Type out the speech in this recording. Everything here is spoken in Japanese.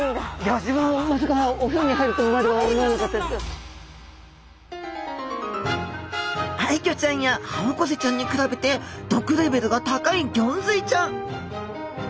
自分もアイギョちゃんやハオコゼちゃんに比べて毒レベルが高いギョンズイちゃん。